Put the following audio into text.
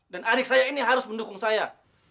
dan adik saya ini harus mendukung saya